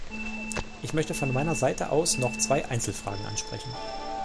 Ich möchte von meiner Seite aus noch zwei Einzelfragen ansprechen.